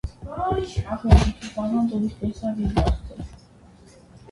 ախր դու չափազանց ուրիշ տեսակ ես դարձել…